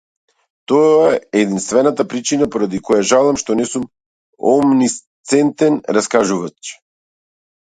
Тоа е единствената причина поради која жалам што не сум омнисцентен раскажувач.